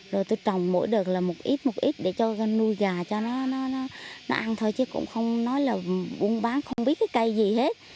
rồi tôi trồng mỗi đợt là một ít một ít để cho nuôi gà cho nó ăn thôi chứ cũng không nói là buôn bán không biết cái cây gì hết